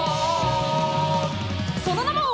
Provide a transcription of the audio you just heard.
「その名も！」